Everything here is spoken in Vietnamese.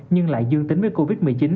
nhưng lại dương tính với covid một mươi chín